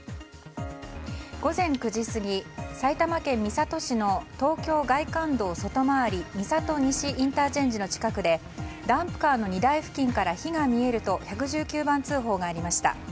午前９時過ぎ、埼玉県三郷市の東京外環道外回り三郷西ＩＣの近くでダンプカーの荷台付近から火が見えると１１９番通報がありました。